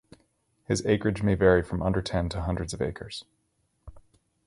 His acreage may vary from under ten to hundreds of acres.